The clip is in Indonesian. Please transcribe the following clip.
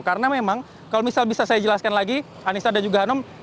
karena memang kalau misal bisa saya jelaskan lagi anissa dan juga hanum